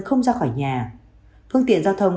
không ra khỏi nhà phương tiện giao thông